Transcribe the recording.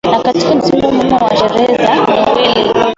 na kutakia msimu mwema wa sherehe za noweli